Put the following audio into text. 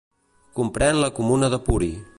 Comprèn la comuna de Puri.